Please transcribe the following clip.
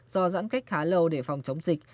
do giãn cách khá lâu để phòng chống dịch